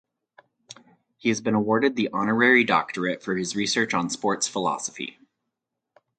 He has been awarded the Honorary Doctorate for his research on Sports Philosophy.